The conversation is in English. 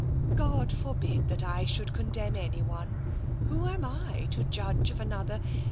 " God forbid that I should condemn anyone — who am I, to judge of another?